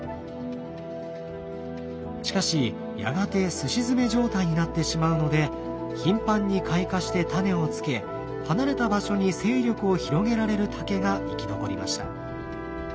しかしやがてすし詰め状態になってしまうので頻繁に開花してタネをつけ離れた場所に勢力を広げられる竹が生き残りました。